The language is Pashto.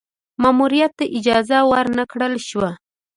ماموریت ته اجازه ور نه کړل شوه.